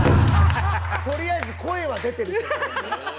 とりあえず声は出てるけど。